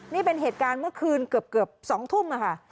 นี่เป็นเหตุการณ์เมื่อคืนเกือบ๒ทุ่มค่ะ